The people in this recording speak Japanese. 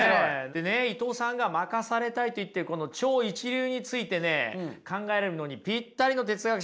でね伊藤さんが負かされたいといってこの超一流についてね考えるのにピッタリの哲学者がいると思うんですが。